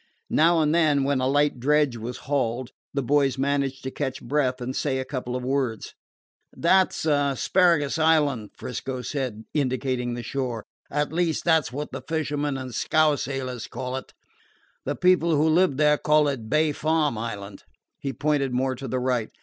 Now and then, when a light dredge was hauled, the boys managed to catch breath and say a couple of words. "That 's Asparagus Island," 'Frisco Kid said, indicating the shore. "At least, that 's what the fishermen and scow sailors call it. The people who live there call it Bay Farm Island." He pointed more to the right.